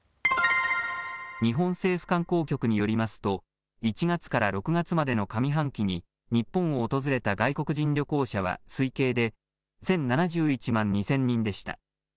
日本政府観光局によりますと１月から６月までの上半期に日本を訪れた外国人旅行者は推計で１０７１万２０００人でした。